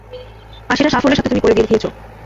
আর সেটা সাফল্যের সাথে তুমি করে দেখিয়েছো।